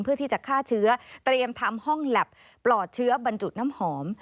เพื่อที่จะฆ่าเชื้อเตรียมทำห้องแล็บปลอดเชื้อบรรจุน้ำหอม